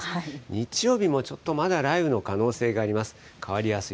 日曜日もちょっとまだ雷雨の可能性があります。